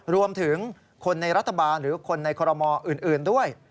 รวมถึงคนในรัฐบาลหรือคนในคอรมออื่นด้วย